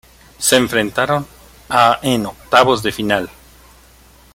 Se enfrentaron a en Octavos de final.